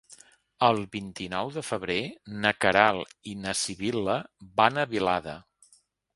El vint-i-nou de febrer na Queralt i na Sibil·la van a Vilada.